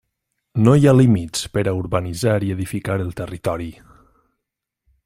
No hi ha límits per a urbanitzar i edificar el territori.